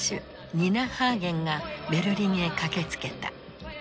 ニナ・ハーゲンがベルリンへ駆けつけた。